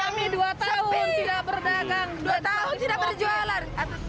kami dua tahun tidak berdagang dua tahun tidak berjualan